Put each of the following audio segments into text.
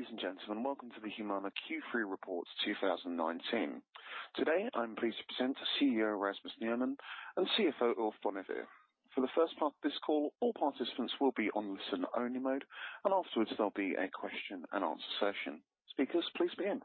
Ladies and gentlemen, welcome to the Humana Q3 Report 2019. Today, I'm pleased to present CEO Rasmus Nerman and CFO Ulf Bonnevier. For the first part of this call, all participants will be on listen-only mode. Afterwards, there'll be a question and answer session. Speakers, please begin.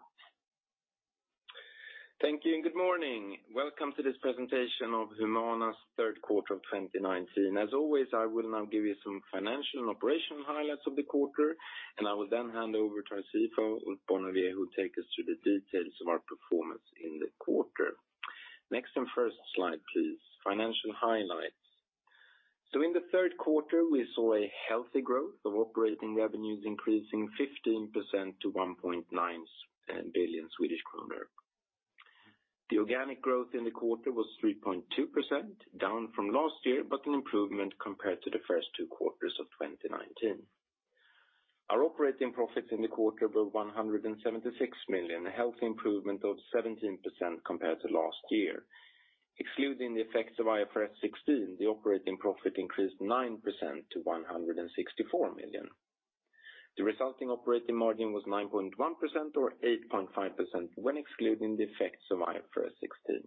Thank you. Good morning. Welcome to this presentation of Humana's third quarter of 2019. As always, I will now give you some financial and operational highlights of the quarter. I will hand over to our CFO, Ulf Bonnevier, who will take us through the details of our performance in the quarter. Next first slide, please. Financial highlights. In the third quarter, we saw a healthy growth of operating revenues increasing 15% to 1.9 billion Swedish kronor. The organic growth in the quarter was 3.2%, down from last year, an improvement compared to the first two quarters of 2019. Our operating profits in the quarter were 176 million, a healthy improvement of 17% compared to last year. Excluding the effects of IFRS 16, the operating profit increased 9% to 164 million. The resulting operating margin was 9.1%, or 8.5% when excluding the effects of IFRS 16.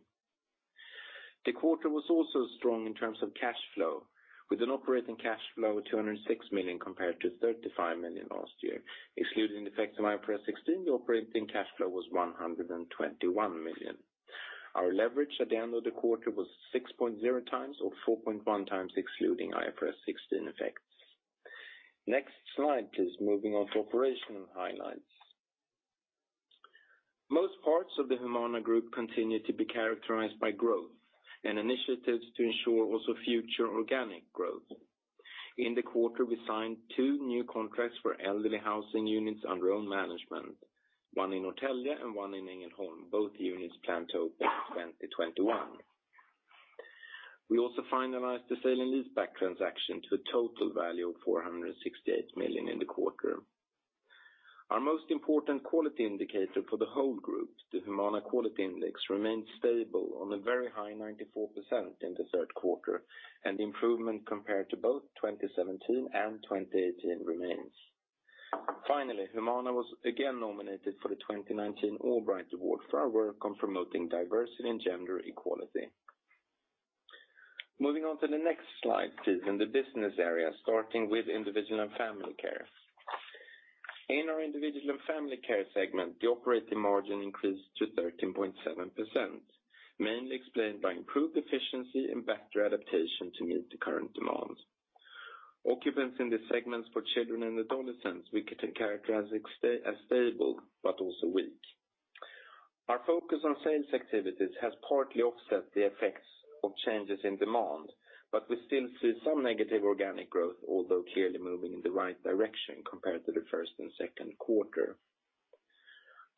The quarter was also strong in terms of cash flow, with an operating cash flow of 206 million compared to 35 million last year. Excluding the effects of IFRS 16, the operating cash flow was 121 million. Our leverage at the end of the quarter was 6.0 times or 4.1 times excluding IFRS 16 effects. Next slide, please. Moving on to operational highlights. Most parts of the Humana Group continue to be characterized by growth and initiatives to ensure also future organic growth. In the quarter, we signed two new contracts for elderly housing units under own management, one in Norrtälje and one in Ängelholm, both units planned to open in 2021. We also finalized the sale and leaseback transaction to a total value of 468 million in the quarter. Our most important quality indicator for the whole group, the Humana Quality Index, remained stable on a very high 94% in the third quarter. The improvement compared to both 2017 and 2018 remains. Finally, Humana was again nominated for the 2019 Allbright Award for our work on promoting diversity and gender equality. Moving on to the next slide, please, in the business area, starting with Individual and Family Care. In our Individual and Family Care segment, the operating margin increased to 13.7%, mainly explained by improved efficiency and better adaptation to meet the current demands. Occupancy in the segments for children and adolescents, we can characterize as stable, also weak. Our focus on sales activities has partly offset the effects of changes in demand, we still see some negative organic growth, although clearly moving in the right direction compared to the first and second quarter.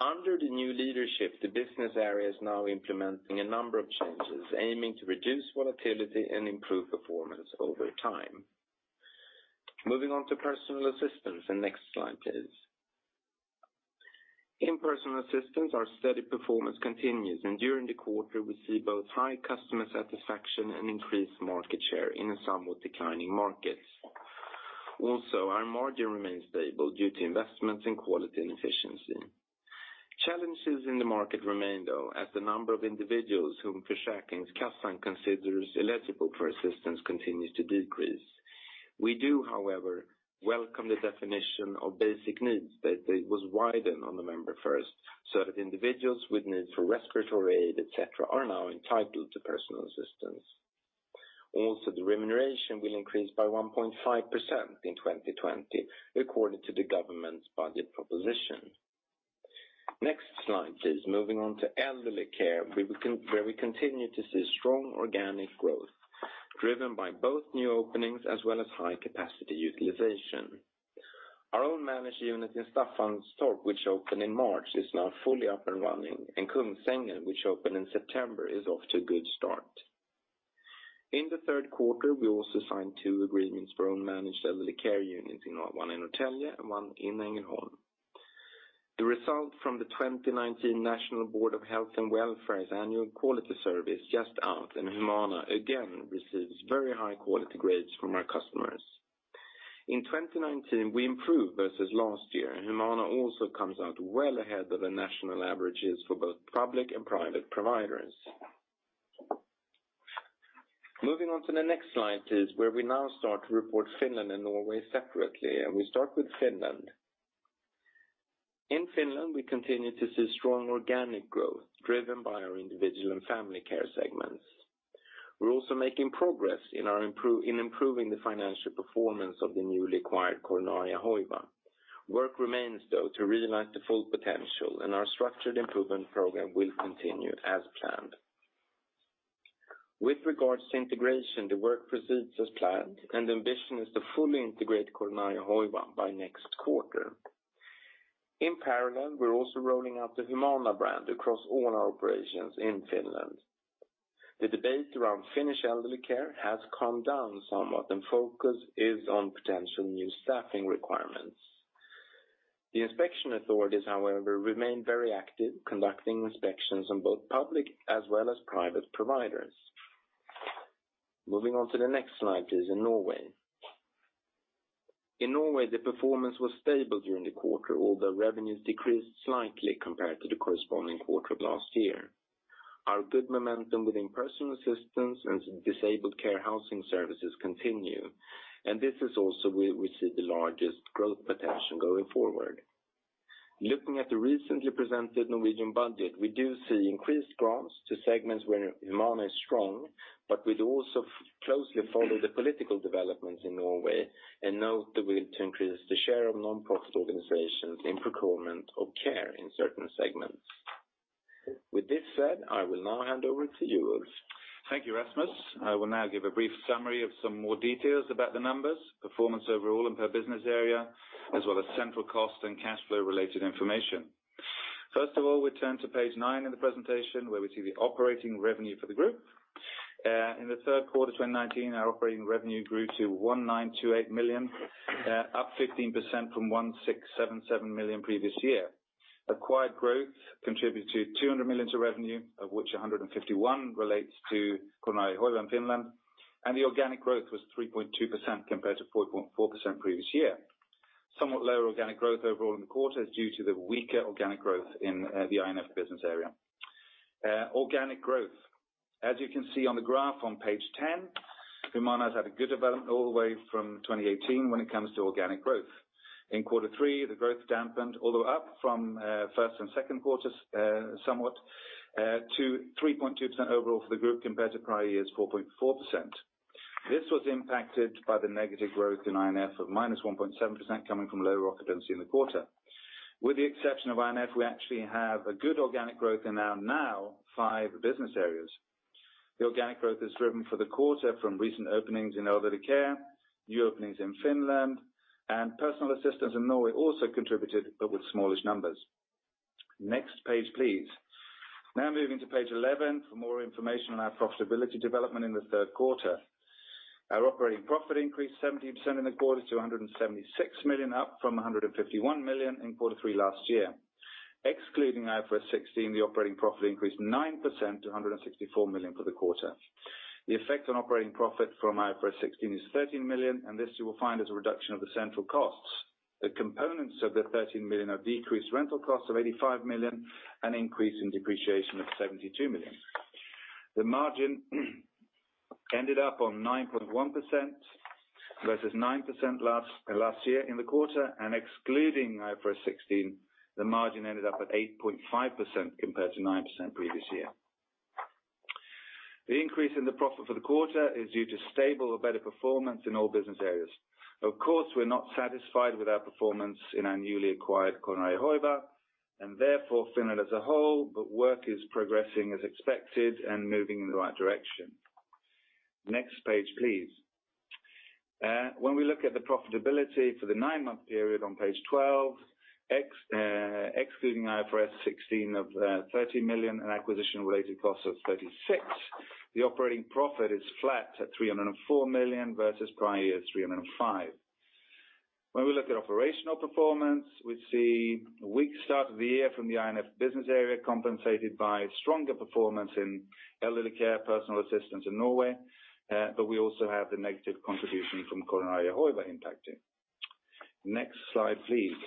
Under the new leadership, the business area is now implementing a number of changes, aiming to reduce volatility and improve performance over time. Moving on to personal assistance, the next slide, please. In personal assistance, our steady performance continues, and during the quarter, we see both high customer satisfaction and increased market share in a somewhat declining market. Our margin remains stable due to investments in quality and efficiency. Challenges in the market remain, though, as the number of individuals whom Försäkringskassan considers eligible for assistance continues to decrease. We do, however, welcome the definition of basic needs that was widened on November 1st, so that individuals with need for respiratory aid, et cetera, are now entitled to personal assistance. The remuneration will increase by 1.5% in 2020, according to the government's budget proposition. Next slide, please. Moving on to elderly care, where we continue to see strong organic growth driven by both new openings as well as high-capacity utilization. Our own managed unit in Staffanstorp, which opened in March, is now fully up and running, and Kungsängen, which opened in September, is off to a good start. In the third quarter, we also signed two agreements for own managed elderly care units, one in Norrtälje and one in Ängelholm. The result from the 2019 National Board of Health and Welfare's annual quality survey is just out, Humana again receives very high-quality grades from our customers. In 2019, we improved versus last year, Humana also comes out well ahead of the national averages for both public and private providers. Moving on to the next slide, please, where we now start to report Finland and Norway separately, we start with Finland. In Finland, we continue to see strong organic growth driven by our individual and family care segments. We're also making progress in improving the financial performance of the newly acquired Coronaria Hoiva. Work remains, though, to realize the full potential, our structured improvement program will continue as planned. With regards to integration, the work proceeds as planned, the ambition is to fully integrate Coronaria Hoiva by next quarter. In parallel, we're also rolling out the Humana brand across all our operations in Finland. The debate around Finnish elderly care has calmed down somewhat, focus is on potential new staffing requirements. The inspection authorities, however, remain very active, conducting inspections on both public as well as private providers. Moving on to the next slide, please, in Norway. In Norway, the performance was stable during the quarter, although revenues decreased slightly compared to the corresponding quarter of last year. Our good momentum within personal assistance and disabled care housing services continue, this is also where we see the largest growth potential going forward. Looking at the recently presented Norwegian budget, we do see increased grants to segments where Humana is strong, we do also closely follow the political developments in Norway and note the will to increase the share of non-profit organizations in procurement of care in certain segments. With this said, I will now hand over to you, Ulf. Thank you, Rasmus. I will now give a brief summary of some more details about the numbers, performance overall and per business area, as well as central cost and cash flow related information. First of all, we turn to page 9 in the presentation where we see the operating revenue for the group. In the third quarter 2019, our operating revenue grew to 1,928 million, up 15% from 1,677 million previous year. Acquired growth contributed 200 million to revenue, of which 151 relates to Coronaria and Finland, and the organic growth was 3.2% compared to 4.4% previous year. Somewhat lower organic growth overall in the quarter is due to the weaker organic growth in the INF business area. Organic growth. As you can see on the graph on page 10, Humana has had a good development all the way from 2018 when it comes to organic growth. In quarter three, the growth dampened, although up from first and second quarters, somewhat, to 3.2% overall for the group compared to prior year's 4.4%. This was impacted by the negative growth in INF of -1.7% coming from low occupancy in the quarter. With the exception of INF, we actually have a good organic growth in our now five business areas. The organic growth is driven for the quarter from recent openings in elderly care, new openings in Finland, and personal assistance in Norway also contributed, but with smallish numbers. Next page, please. Now moving to page 11 for more information on our profitability development in the third quarter. Our operating profit increased 17% in the quarter to 176 million, up from 151 million in quarter three last year. Excluding IFRS 16, the operating profit increased 9% to 164 million for the quarter. The effect on operating profit from IFRS 16 is 13 million, and this you will find is a reduction of the central costs. The components of the 13 million are decreased rental costs of 85 million, an increase in depreciation of 72 million. The margin ended up on 9.1% versus 9% last year in the quarter, and excluding IFRS 16, the margin ended up at 8.5% compared to 9% previous year. The increase in the profit for the quarter is due to stable or better performance in all business areas. Of course, we're not satisfied with our performance in our newly acquired Coronaria and therefore Finland as a whole, but work is progressing as expected and moving in the right direction. Next page, please. When we look at the profitability for the nine-month period on page 12, excluding IFRS 16 of 30 million and acquisition related costs of 36, the operating profit is flat at 304 million versus prior year 305. When we look at operational performance, we see a weak start of the year from the INF business area compensated by stronger performance in elderly care, personal assistance in Norway, but we also have the negative contribution from Coronaria impacting. Next slide, please.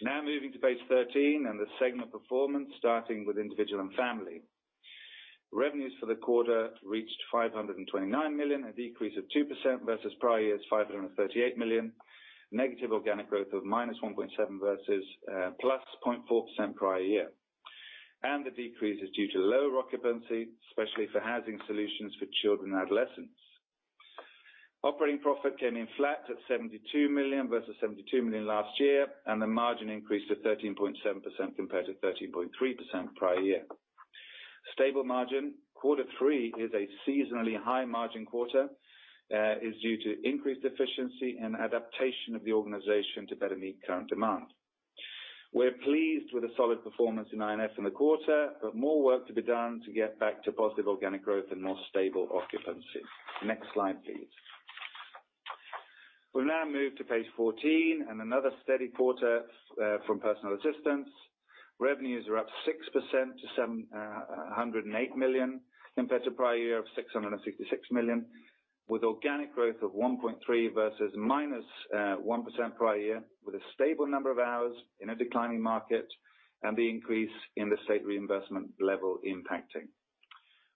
Now moving to page 13 and the segment performance starting with individual and family. Revenues for the quarter reached 529 million, a decrease of 2% versus prior year's 538 million, negative organic growth of -1.7% versus +0.4% prior year. The decrease is due to low occupancy, especially for housing solutions for children and adolescents. Operating profit came in flat at 72 million versus 72 million last year. The margin increased to 13.7% compared to 13.3% prior year. Stable margin. Q3 is a seasonally high margin quarter, is due to increased efficiency and adaptation of the organization to better meet current demand. We're pleased with the solid performance in INF in the quarter, more work to be done to get back to positive organic growth and more stable occupancy. Next slide, please. We'll now move to page 14, another steady quarter from personal assistance. Revenues are up 6% to 708 million compared to prior year of 666 million, with organic growth of 1.3% versus -1% prior year, with a stable number of hours in a declining market and the increase in the state reinvestment level impacting.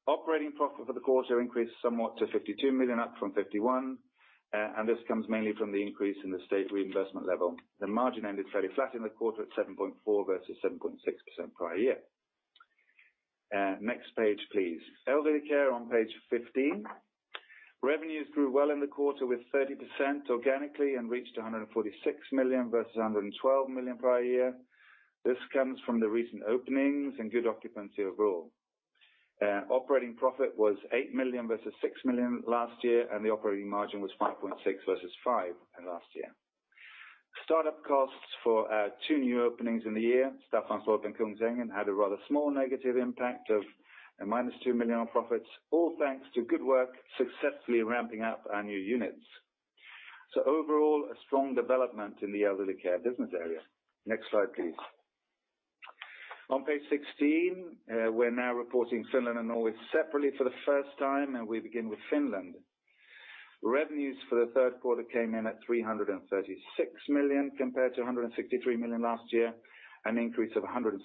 Operating profit for the quarter increased somewhat to 52 million up from 51 million, this comes mainly from the increase in the state reinvestment level. The margin ended fairly flat in the quarter at 7.4% versus 7.6% prior year. Next page, please. Elderly care on page 15. Revenues grew well in the quarter with 30% organically and reached 146 million versus 112 million prior year. This comes from the recent openings and good occupancy overall. Operating profit was 8 million versus 6 million last year, the operating margin was 5.6% versus 5% in last year. Start-up costs for two new openings in the year, Staffanstorp and Kungsängen, had a rather small negative impact of a -2 million on profits, all thanks to good work successfully ramping up our new units. Overall, a strong development in the elderly care business area. Next slide, please. On page 16, we're now reporting Finland and Norway separately for the first time, we begin with Finland. Revenues for Q3 came in at 336 million compared to 163 million last year, an increase of 106%,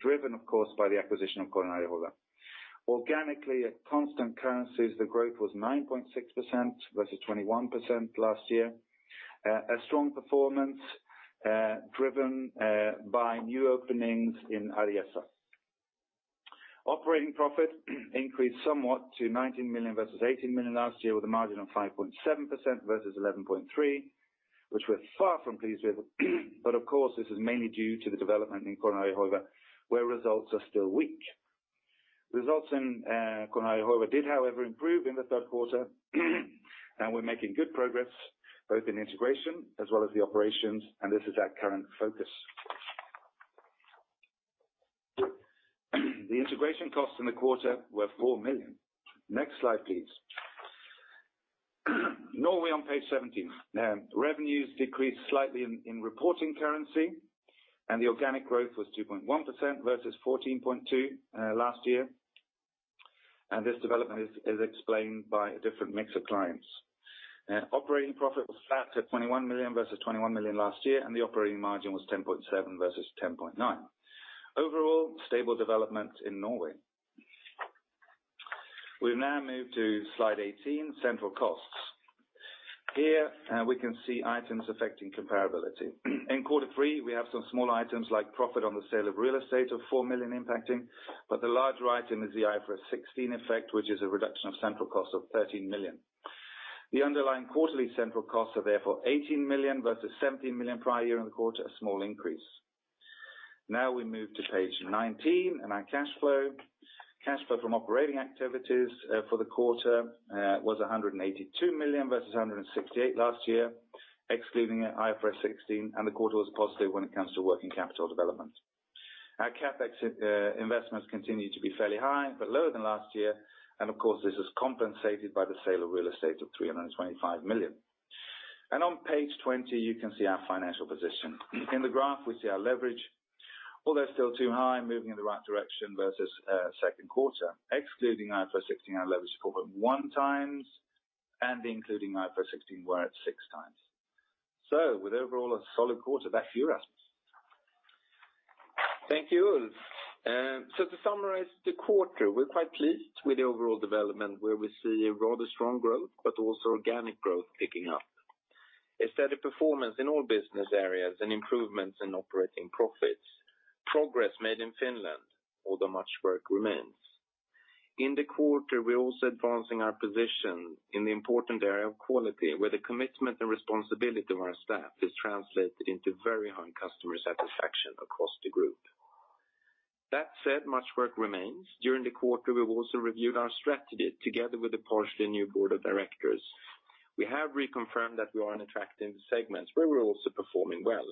driven of course, by the acquisition of Coronaria. Organically, at constant currencies, the growth was 9.6% versus 21% last year. A strong performance driven by new openings in RJS. Operating profit increased somewhat to 19 million versus 18 million last year with a margin of 5.7% versus 11.3%, which we're far from pleased with. Of course, this is mainly due to the development in Coronaria, where results are still weak. Results in Coronaria did however improve in Q3, we're making good progress both in integration as well as the operations, this is our current focus. The integration costs in the quarter were 4 million. Next slide, please. Norway on page 17. Revenues decreased slightly in reporting currency, the organic growth was 2.1% versus 14.2% last year, this development is explained by a different mix of clients. Operating profit was flat at 21 million versus 21 million last year, the operating margin was 10.7% versus 10.9%. Overall, stable development in Norway. We now move to slide 18, central costs. Here, we can see items affecting comparability. In Q3, we have some small items like profit on the sale of real estate of 4 million impacting, the large item is the IFRS 16 effect, which is a reduction of central cost of 13 million. The underlying quarterly central costs are therefore 18 million versus 17 million prior year in the quarter, a small increase. We move to page 19, our cash flow. Cash flow from operating activities for the quarter was 182 million versus 168 last year, excluding IFRS 16, and the quarter was positive when it comes to working capital development. Our CapEx investments continue to be fairly high, but lower than last year, and of course, this is compensated by the sale of real estate of 325 million. On page 20, you can see our financial position. In the graph, we see our leverage, although still too high, moving in the right direction versus second quarter. Excluding IFRS 16, our leverage is 4.1 times and including IFRS 16, we're at six times. With overall a solid quarter, back to you, Rasmus. Thank you, Ulf. To summarize the quarter, we're quite pleased with the overall development where we see a rather strong growth but also organic growth picking up. A steady performance in all business areas and improvements in operating profits. Progress made in Finland, although much work remains. In the quarter, we're also advancing our position in the important area of quality, where the commitment and responsibility of our staff is translated into very high customer satisfaction across the group. That said, much work remains. During the quarter, we've also reviewed our strategy together with the partially new board of directors. We have reconfirmed that we are attracting the segments where we're also performing well.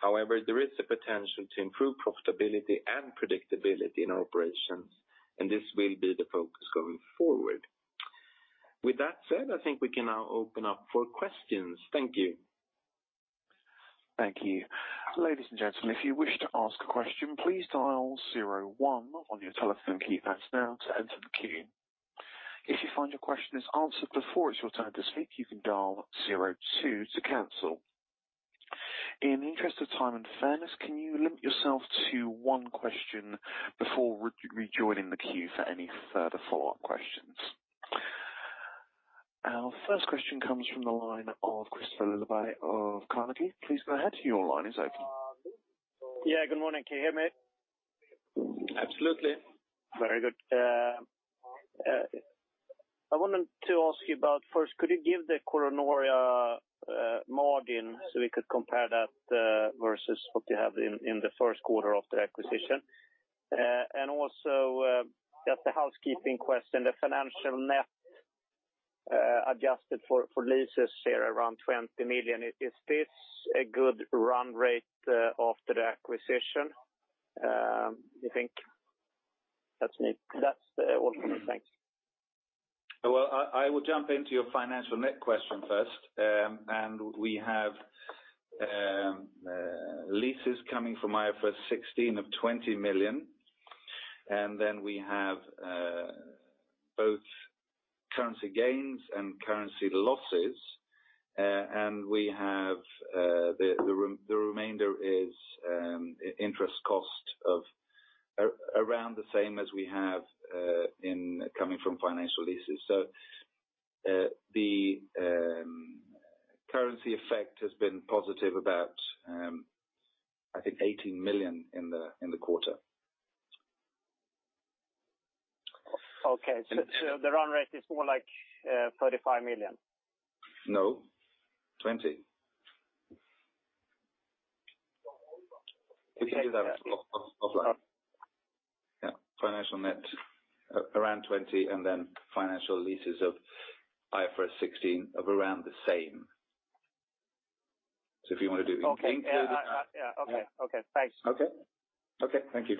However, there is a potential to improve profitability and predictability in our operations, and this will be the focus going forward. With that said, I think we can now open up for questions. Thank you. Thank you. Ladies and gentlemen, if you wish to ask a question, please dial zero one on your telephone keypads now to enter the queue. If you find your question is answered before it's your turn to speak, you can dial zero two to cancel. In the interest of time and fairness, can you limit yourself to one question before rejoining the queue for any further follow-up questions? Our first question comes from the line of Christoffer Liljeblad of Carnegie. Please go ahead. Your line is open. Good morning. Can you hear me? Absolutely. Very good. I wanted to ask you about first, could you give the Coronaria margin so we could compare that versus what you have in the first quarter of the acquisition? Also just a housekeeping question, the financial net adjusted for leases here around 20 million. Is this a good run rate after the acquisition? You think that's it. That's all from me. Thanks. Well, I will jump into your financial net question first. We have leases coming from IFRS 16 of 20 million, and then we have both currency gains and currency losses. The remainder is interest cost of around the same as we have coming from financial leases. The currency effect has been positive about I think 18 million in the quarter. Okay. The run rate is more like 35 million? No, 20. We can do that offline. Yeah. Financial net around 20, and then financial leases of IFRS 16 of around the same. If you want to do it- Okay. Yeah. Okay. Thanks. Okay. Thank you.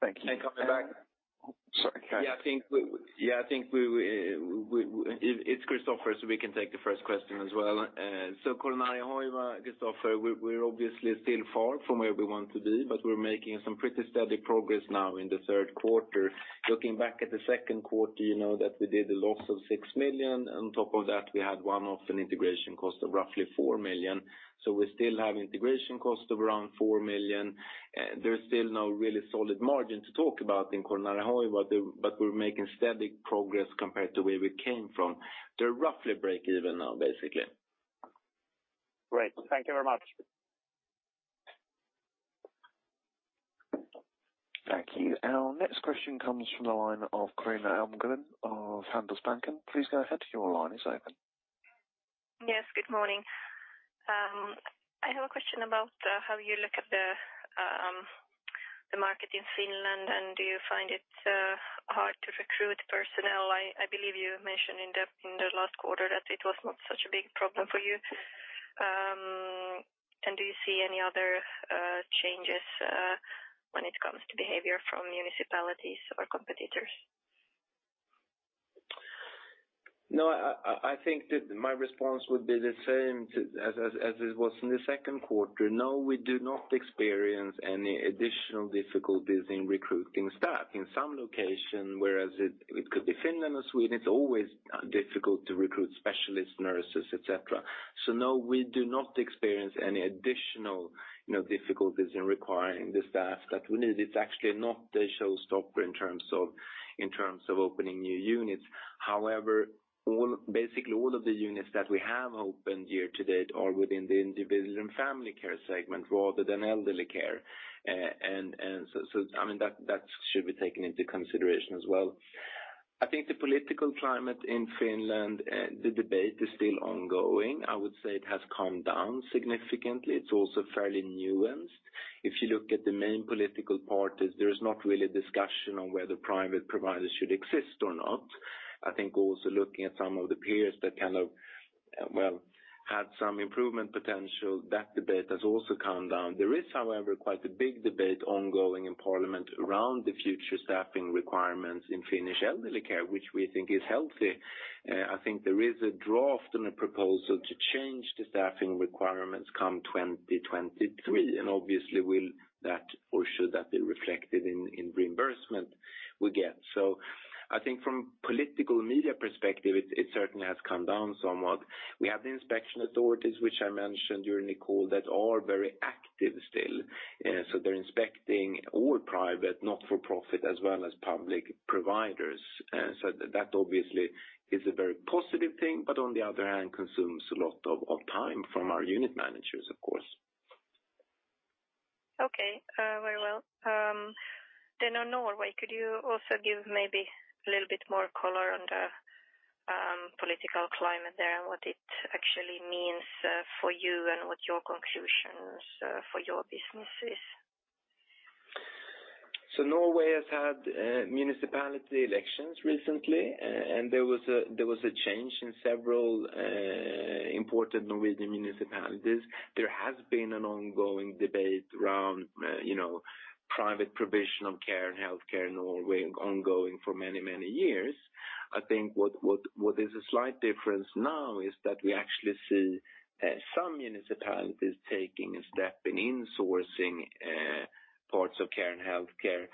Thank you. Coming back. Sorry, go ahead. Yeah, I think it's Christoffer, we can take the first question as well. Coronaria Hoiva, Christoffer, we're obviously still far from where we want to be, but we're making some pretty steady progress now in the third quarter. Looking back at the second quarter, you know that we did a loss of 6 million. On top of that, we had one-off an integration cost of roughly 4 million. We still have integration cost of around 4 million. There's still no really solid margin to talk about in Coronaria Hoiva, but we're making steady progress compared to where we came from. They're roughly break-even now, basically. Great. Thank you very much. Thank you. Our next question comes from the line of Carina Almgren of Handelsbanken. Please go ahead. Your line is open. Yes, good morning. I have a question about how you look at the market in Finland. Do you find it hard to recruit personnel? I believe you mentioned in the last quarter that it was not such a big problem for you. Do you see any other changes when it comes to behavior from municipalities or competitors? No, I think that my response would be the same as it was in the second quarter. No, we do not experience any additional difficulties in recruiting staff. In some locations, whereas it could be Finland or Sweden, it's always difficult to recruit specialist nurses, et cetera. No, we do not experience any additional difficulties in recruiting the staff that we need. It's actually not a showstopper in terms of opening new units. However, basically all of the units that we have opened year to date are within the individual and family care segment rather than elderly care. That should be taken into consideration as well. I think the political climate in Finland, the debate is still ongoing. I would say it has calmed down significantly. It's also fairly nuanced. If you look at the main political parties, there is not really a discussion on whether private providers should exist or not. I think also looking at some of the peers that had some improvement potential, that debate has also calmed down. There is, however, quite a big debate ongoing in Parliament around the future staffing requirements in Finnish elderly care, which we think is healthy. I think there is a draft and a proposal to change the staffing requirements come 2023. Obviously, will that or should that be reflected in reimbursement we get? I think from political media perspective, it certainly has calmed down somewhat. We have the inspection authorities, which I mentioned during the call, that are very active still. They're inspecting all private, not-for-profit as well as public providers. That obviously is a very positive thing, but on the other hand, consumes a lot of time from our unit managers, of course. Okay. Very well. On Norway, could you also give maybe a little bit more color on the political climate there and what it actually means for you and what your conclusions for your business is? Norway has had municipality elections recently, and there was a change in several important Norwegian municipalities. There has been an ongoing debate around private provision of care and healthcare in Norway ongoing for many, many years. I think what is a slight difference now is that we actually see some municipalities taking a step in insourcing parts of care and healthcare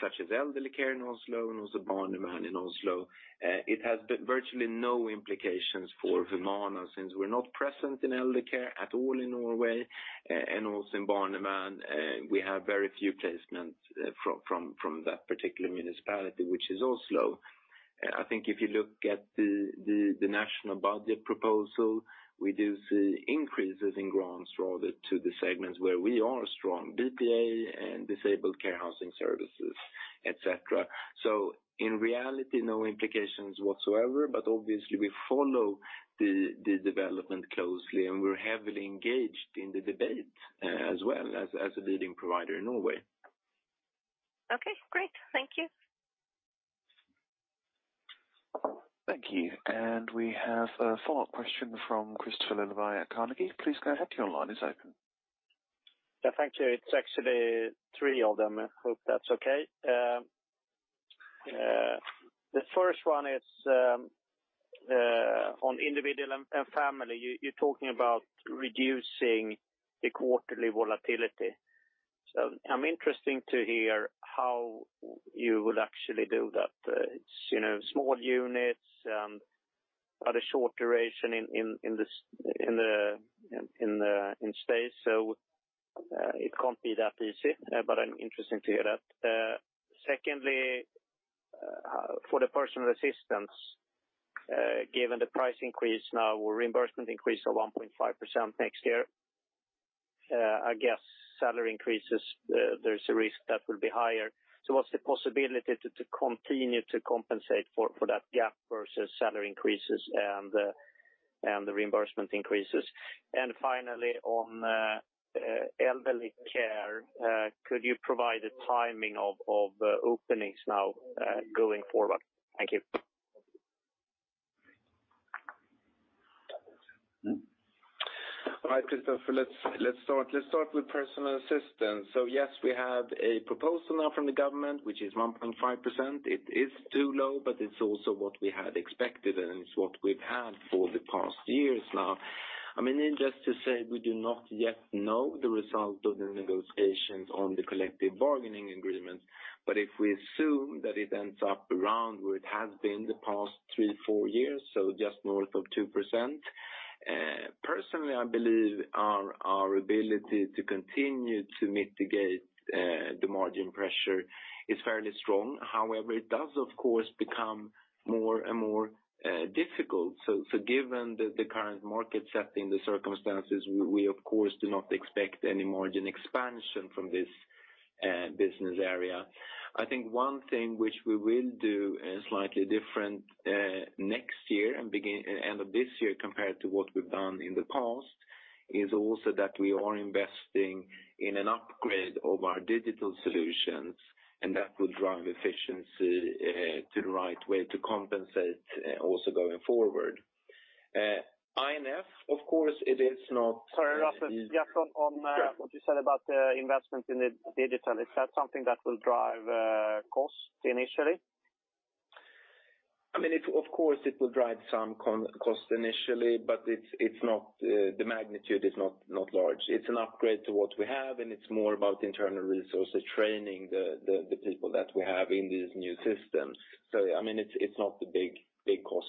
such as elderly care in Oslo and also Barnevernet in Oslo. It has virtually no implications for Humana since we're not present in elderly care at all in Norway, and also in Barnevernet we have very few placements from that particular municipality, which is Oslo. I think if you look at the national budget proposal, we do see increases in grants rather to the segments where we are strong, DPA and disabled care housing services, et cetera. In reality, no implications whatsoever, but obviously we follow the development closely, and we're heavily engaged in the debate as well as a leading provider in Norway. Okay, great. Thank you. Thank you. We have a follow-up question from Christoffer Liljeblad at Carnegie. Please go ahead. Your line is open. Yeah, thank you. It's actually three of them. I hope that's okay. The first one is on individual and family. You're talking about reducing the quarterly volatility. I'm interested to hear how you will actually do that. It's small units at a short duration in stays, it can't be that easy, but I'm interested to hear that. Secondly, for the personal assistance, given the price increase now or reimbursement increase of 1.5% next year, I guess salary increases, there's a risk that will be higher. What's the possibility to continue to compensate for that gap versus salary increases and the reimbursement increases? Finally, on elderly care, could you provide the timing of openings now going forward? Thank you. Hi, Christoffer. Let's start with personal assistance. Yes, we have a proposal now from the government, which is 1.5%. It is too low, it's also what we had expected, and it's what we've had for the past years now. Just to say, we do not yet know the result of the negotiations on the collective bargaining agreement. If we assume that it ends up around where it has been the past three, four years, just north of 2%. Personally, I believe our ability to continue to mitigate the margin pressure is fairly strong. However, it does, of course, become more and more difficult. Given the current market setting, the circumstances, we of course, do not expect any margin expansion from this business area. I think one thing which we will do slightly different next year and end of this year compared to what we've done in the past, is also that we are investing in an upgrade of our digital solutions. That will drive efficiency to the right way to compensate also going forward. INF, of course. Sorry, Rasmus. Sure. Just on what you said about the investment in the digital, is that something that will drive cost initially? Of course, it will drive some cost initially, but the magnitude is not large. It's an upgrade to what we have, and it's more about internal resources, training the people that we have in these new systems. It's not a big cost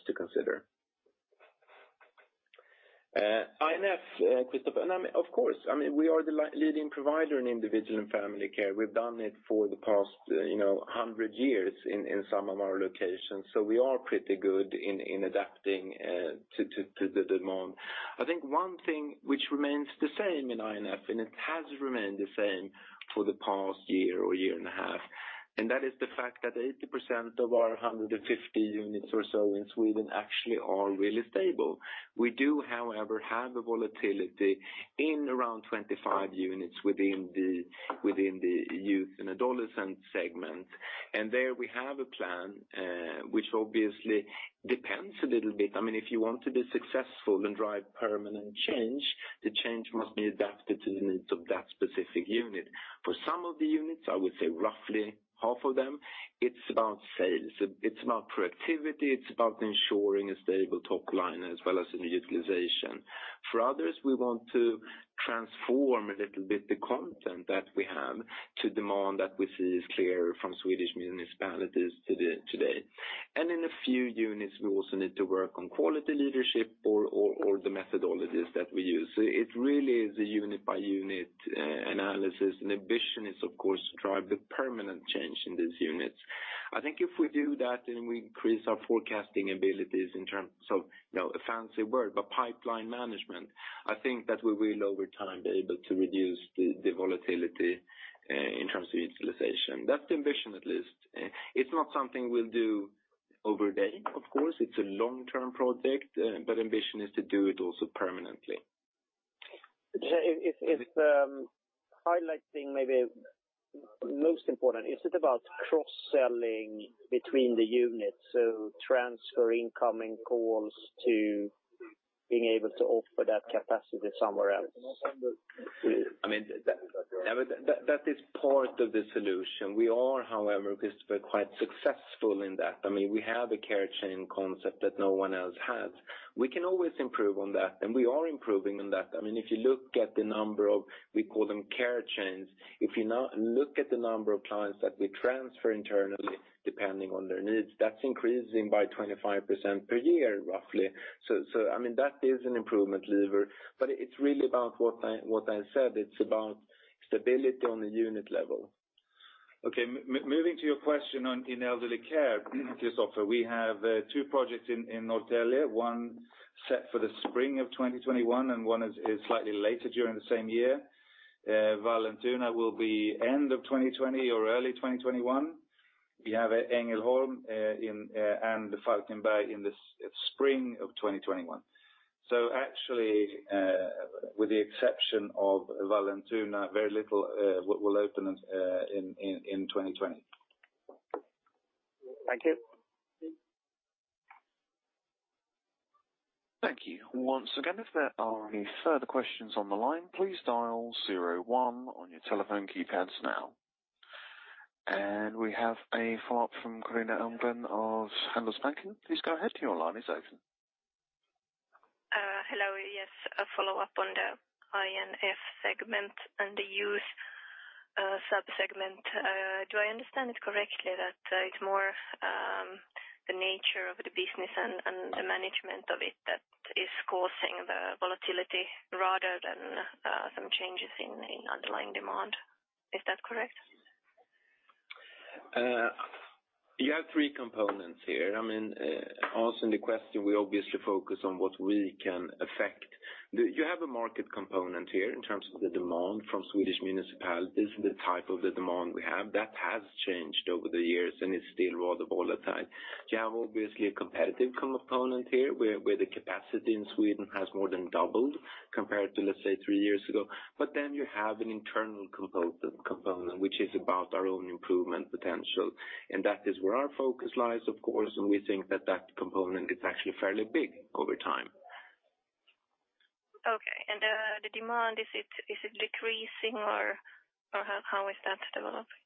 to consider. INF, Christoffer, of course, we are the leading provider in individual and family care. We've done it for the past 100 years in some of our locations. We are pretty good in adapting to the demand. I think one thing which remains the same in INF, and it has remained the same for the past year or year and a half, and that is the fact that 80% of our 150 units or so in Sweden actually are really stable. We do, however, have a volatility in around 25 units within the youth and adolescent segment. There we have a plan, which obviously depends a little bit. If you want to be successful and drive permanent change, the change must be adapted to the needs of that specific unit. For some of the units, I would say roughly half of them, it's about sales. It's about productivity. It's about ensuring a stable top line as well as utilization. For others, we want to transform a little bit the content that we have to demand that we see is clear from Swedish municipalities today. In a few units, we also need to work on quality leadership or the methodologies that we use. It really is a unit-by-unit analysis, and the ambition is, of course, to drive the permanent change in these units. I think if we do that, and we increase our forecasting abilities in terms of, a fancy word, but pipeline management, I think that we will over time be able to reduce the volatility in terms of utilization. That's the ambition, at least. It's not something we'll do over a day, of course. It's a long-term project, but ambition is to do it also permanently. If highlighting maybe most important, is it about cross-selling between the units? Transfer incoming calls to being able to offer that capacity somewhere else? That is part of the solution. We are, however, Christoffer, quite successful in that. We have a care chain concept that no one else has. We can always improve on that, and we are improving on that. If you look at the number of, we call them care chains. If you now look at the number of clients that we transfer internally, depending on their needs, that's increasing by 25% per year, roughly. That is an improvement lever, but it's really about what I said, it's about stability on the unit level. Okay, moving to your question on elderly care, Christoffer. We have two projects in Norrtälje, one set for the spring of 2021, and one is slightly later during the same year. Vallentuna will be end of 2020 or early 2021. We have Ängelholm and Falkenberg in the spring of 2021. Actually, with the exception of Vallentuna, very little will open in 2020. Thank you. Thank you. Once again, if there are any further questions on the line, please dial 01 on your telephone keypads now. We have a follow-up from Carina Almgren of Handelsbanken. Please go ahead, your line is open. Hello. Yes, a follow-up on the INF segment and the youth sub-segment. Do I understand it correctly that it's more the nature of the business and the management of it that is causing the volatility rather than some changes in underlying demand? Is that correct? You have three components here. Answering the question, we obviously focus on what we can affect. You have a market component here in terms of the demand from Swedish municipalities, the type of the demand we have. That has changed over the years, and it's still rather volatile. You have obviously a competitive component here where the capacity in Sweden has more than doubled compared to, let's say, three years ago. You have an internal component which is about our own improvement potential, and that is where our focus lies, of course, and we think that that component is actually fairly big over time. Okay. The demand, is it decreasing, or how is that developing?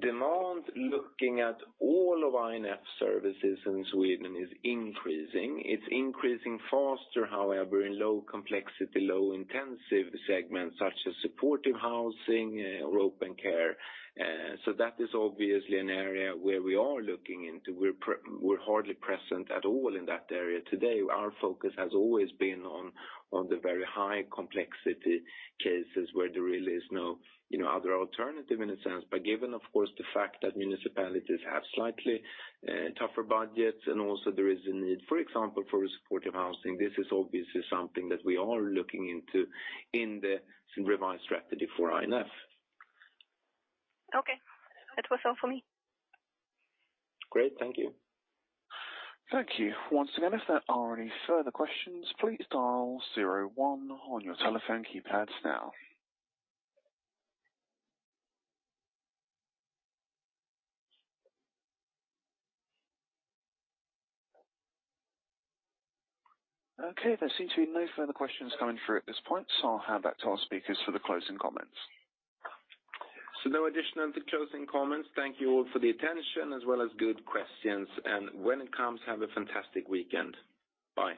Demand, looking at all of INF services in Sweden, is increasing. It's increasing faster, however, in low complexity, low intensive segments such as supportive housing or open care. That is obviously an area where we are looking into. We're hardly present at all in that area today. Our focus has always been on the very high complexity cases where there really is no other alternative in a sense. Given, of course, the fact that municipalities have slightly tougher budgets, and also there is a need for example, for supportive housing. This is obviously something that we are looking into in the revised strategy for INF. Okay. That was all for me. Great. Thank you. Thank you. Once again, if there are any further questions, please dial 01 on your telephone keypads now. Okay, there seem to be no further questions coming through at this point. I'll hand back to our speakers for the closing comments. No additional closing comments. Thank you all for the attention as well as good questions, and when it comes, have a fantastic weekend. Bye